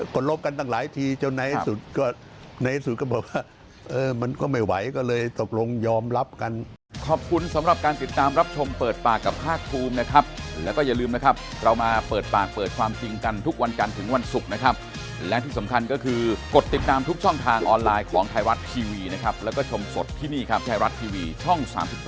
ก็ลบกันตั้งหลายทีจนในที่สุดก็บอกว่ามันก็ไม่ไหวก็เลยตกลงยอมรับกัน